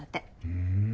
ふん。